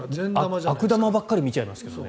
悪玉ばっかり見ちゃいますけどね。